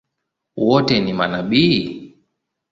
Wote ni manabii?